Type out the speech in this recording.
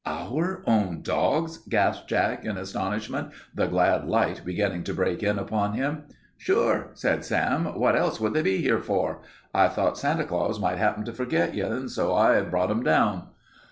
"Our own dogs?" gasped Jack in astonishment, the glad light beginning to break in upon him. "Sure," said Sam. "What else would they be here for? I thought Santa Claus might happen to forget you, and so I brought 'em down."